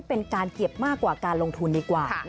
เป็นการเก็บมากกว่าการลงทุนดีกว่า